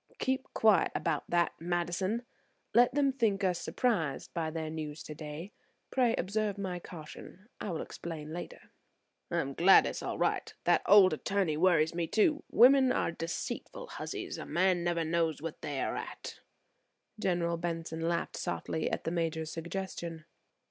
"Keep quiet about that, Madison; let them think us surprised by their news today. Pray observe my caution; I will explain later. "I am glad it is all right. That old attorney worries me, too. Women are deceitful hussies; a man never knows what they are at." General Benson laughed softly at the Major's suggestion.